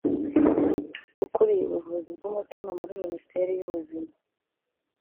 ukuriye ubuvuzi bw’umutima muri Minisiteri y’Ubuzima